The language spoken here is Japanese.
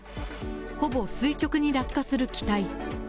ほぼ垂直に落下する機体。